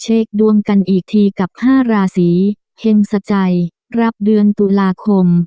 เช็คดวงกันอีกทีกับ๕ราศีเห็งสใจรับเดือนตุลาคม